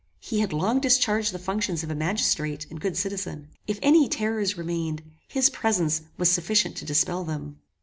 He had long discharged the functions of a magistrate and good citizen. If any terrors remained, his presence was sufficient to dispel them.